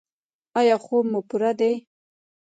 ایا خوب مو پوره دی؟